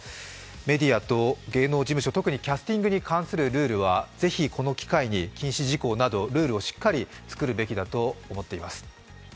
メディアと芸能事務所、特にキャスティングに関するルールはぜひこの機会に禁止事項などルールをしっかり作るべきだと思っています。